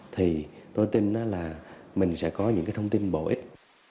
thì tôi tin là mình sẽ có những cái thông tin bổ ích